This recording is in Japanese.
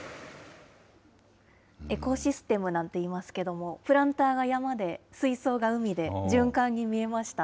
エコシステムなんていいますけども、プランターが山で、水槽が海で、循環に見えました。